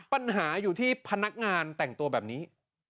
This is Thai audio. ปัญหาอยู่ที่พนักงานแต่งตัวแบบนี้